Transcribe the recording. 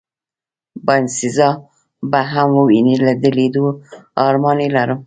باینیسیزا به هم ووینې، د لېدو ارمان یې لرم.